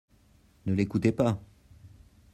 Ne l'écoutez pas !